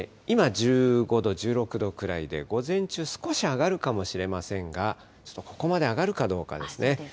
今１５度、１６度くらいで午前中少し上がるかもしれませんが、ちょっとここまで上がるかどうかですね。